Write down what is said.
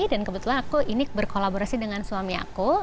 dan kebetulan aku ini berkolaborasi dengan suami aku